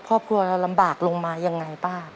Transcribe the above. พ่อพ่อเรารำบากลงมายังไงป้า